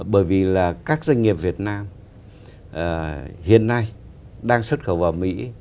bởi vì là các doanh nghiệp việt nam hiện nay đang xuất khẩu vào mỹ